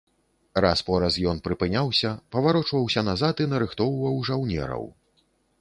Раз-пораз ён прыпыняўся, паварочваўся назад і нарыхтоўваў жаўнераў.